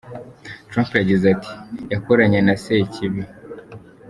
Trump yagize ati “Yakoranye na sekibi.